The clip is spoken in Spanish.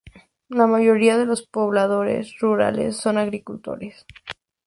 La mayoría de los pobladores rurales son agricultores.